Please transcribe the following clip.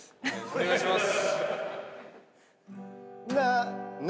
お願いします。